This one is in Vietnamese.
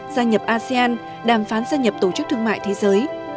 gia nhập asean đàm phán gia nhập tổ chức thương mại thế giới